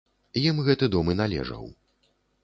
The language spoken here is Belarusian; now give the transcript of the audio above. Ім гэты дом і належаў.